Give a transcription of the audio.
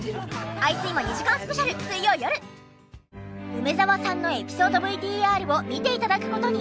梅沢さんのエピソードＶＴＲを見て頂く事に。